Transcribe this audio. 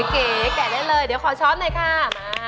เก๋แกะได้เลยเดี๋ยวขอช้อปหน่อยค่ะ